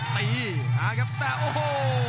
ตีมาครับแต่โอ้โห